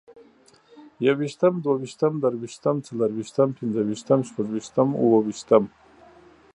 يوویشتم، دوويشتم، دريوشتم، څلورويشتم، پنځوويشتم، شپږويشتم، اوويشتمه